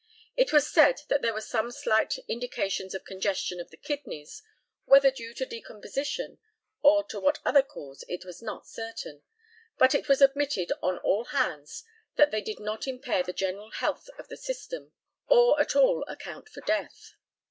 It was said that there were some slight indications of congestion of the kidneys, whether due to decomposition or to what other cause was not certain; but it was admitted on all hands that they did not impair the general health of the system, or at all account for death.